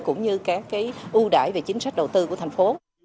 cũng như các cái ưu đải về chính sách đầu tư của thành phố